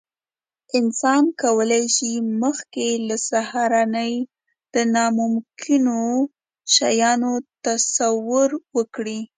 انسان کولی شي، مخکې له سهارنۍ د ناممکنو شیانو تصور وکړي.